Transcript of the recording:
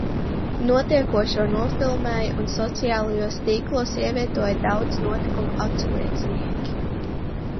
Notiekošo nofilmēja un sociālajos tīklos ievietoja daudzi notikuma aculiecinieki.